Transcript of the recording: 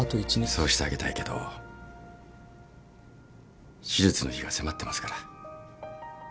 そうしてあげたいけど手術の日が迫ってますから。